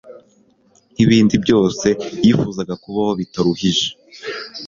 nkibindi byose yifuzaga kubaho bitaruhije